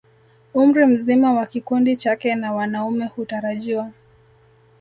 Umri mzima wa kikundi chake na wanaume hutarajiwa